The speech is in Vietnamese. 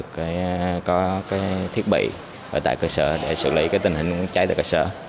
có cái thiết bị ở tại cơ sở để xử lý cái tình hình cháy tại cơ sở